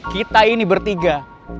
kita ini bertiga